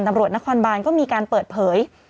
ตำรวจนครบานก็มีการเปิดเผย